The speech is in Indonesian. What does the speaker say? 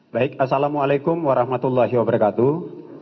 baik assalamu'alaikum warahmatullahi wabarakatuh